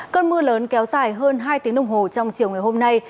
cơn mưa lớn kéo dài hơn hai tiếng đồng hồ trong chiều ngày hôm nay